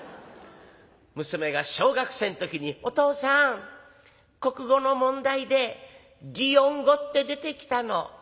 娘が小学生の時に「お父さん国語の問題で擬音語って出てきたの。